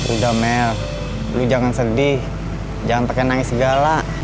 udah mel lu jangan sedih jangan pakai nangis segala